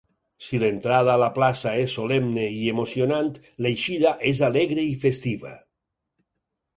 Si l'entrada a la plaça és solemne i emocionant, l'eixida és alegre i festiva.